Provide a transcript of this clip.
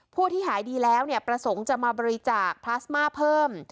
ที่หายดีแล้วประสงค์จะมาบริจาคพลาสมาเพิ่ม